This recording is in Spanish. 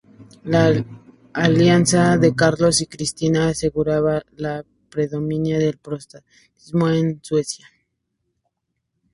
La alianza de Carlos y Cristina aseguraba la predominancia del protestantismo en Suecia.